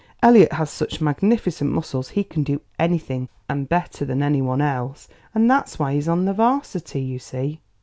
Elliot has such magnificent muscles he can do anything, and better than any one else, and that's why he's on the varsity, you see!"